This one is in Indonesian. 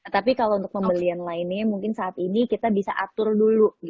tapi kalau untuk pembelian lainnya mungkin saat ini kita bisa atur dulu